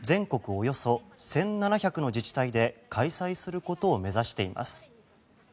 およそ１７００の自治体で開催することを目指しています。